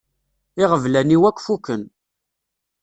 Iɣeblan-iw akk fukken.